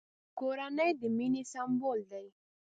کورنۍ د مینې سمبول دی!